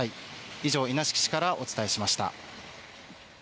以上、稲敷市からお伝えしました。